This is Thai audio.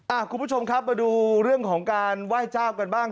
คุณผู้ชมครับมาดูเรื่องของการไหว้เจ้ากันบ้าง